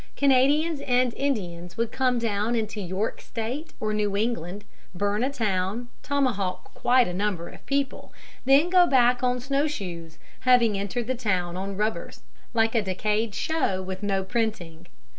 Canadians and Indians would come down into York State or New England, burn a town, tomahawk quite a number of people, then go back on snow shoes, having entered the town on rubbers, like a decayed show with no printing.